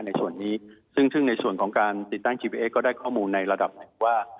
ในส่วนนี้ซึ่งในส่วนของการติดตั้งทีวีเอก็ได้ข้อมูลในระดับหนึ่งว่า